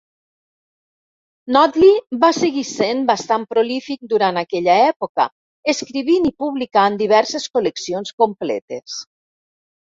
Notley va seguir sent bastant prolífic durant aquella època, escrivint i publicant diverses col·leccions completes.